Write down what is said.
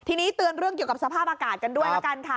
ทีนี้เตือนเรื่องเกี่ยวกับสภาพอากาศกันด้วยละกันค่ะ